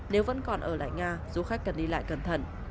nếu vẫn còn ở lại nga du khách cần đi lại cẩn thận